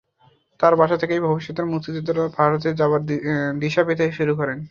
তাঁর বাসা থেকেই ভবিষ্যতের মুক্তিযোদ্ধারা ভারতে যাবার দিশা পেতে শুরু করেন।